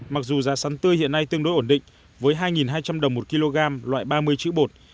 mặc dù giá sắn tươi hiện nay tương đối ổn định với hai hai trăm linh đồng một kg loại ba mươi chữ bột